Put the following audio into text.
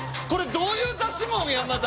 これどういう出しもん？